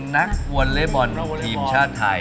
นักวอลเล็บบอลทีมชาติไทย